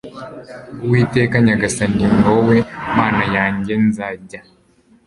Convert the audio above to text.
uwiteka nyagasani ni wowe mana yanjye nzajya